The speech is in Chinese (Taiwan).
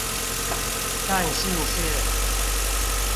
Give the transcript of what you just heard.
淡信線